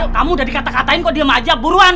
kamu udah dikata katain kok dia nungguin